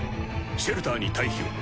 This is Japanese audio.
シェルターに退避を。